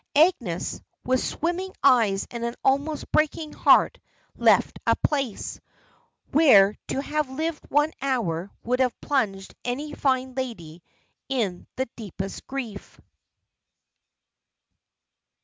Agnes, with swimming eyes and an almost breaking heart, left a place where to have lived one hour would have plunged any fine lady in the deepest grief.